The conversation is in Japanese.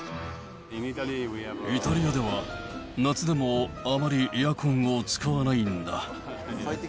イタリアでは夏でもあまりエアコンを使わないんだ。